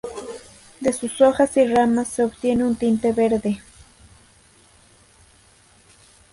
De sus hojas y ramas se obtiene un tinte verde.